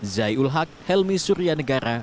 zai ul haq helmi surya negara